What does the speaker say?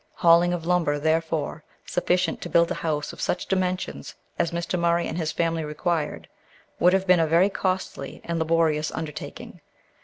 Hauling of lumber, therefore, sufficient to build a house of such dimensions as Mr. Murray and his family required, would have been a very costly and laborious undertaking.